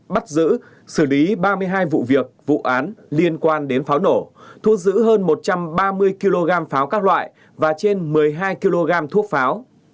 bắt giữ xử lý ba mươi hai vụ việc vụ án liên quan đến pháo nổ thu giữ hơn một trăm ba mươi kg pháo các loại và trên một mươi hai kg thuốc pháo